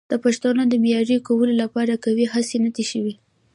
د پښتو د معیاري کولو لپاره قوي هڅې نه دي شوي.